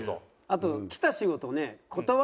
あときた仕事をね